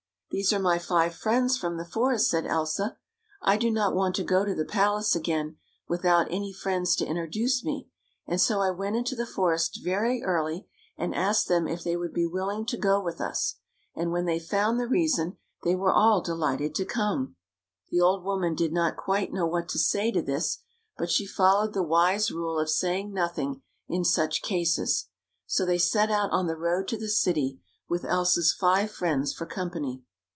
" These are my five friends from the forest," said Elsa. "I do not want to go to the palace again without any friends to introduce me, and so I went into the forest very early, and asked them if they would be willing to go with us. And when they found the reason, they were all delighted to come." The old woman did not quite know what to say to this, but she followed the wise rule of saying nothing in such cases. So they set out on the road to the city, with Elsa's five friends for company.